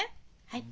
はい。